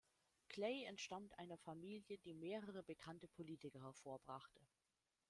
Clay entstammt einer Familie, die mehrere bekannte Politiker hervorbrachte.